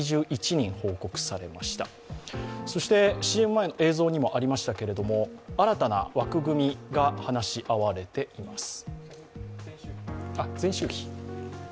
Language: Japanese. ＣＭ前の映像にもありましたけれども新たな枠組みが話し合われています。